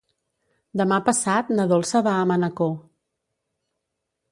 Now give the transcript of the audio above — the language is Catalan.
Demà passat na Dolça va a Manacor.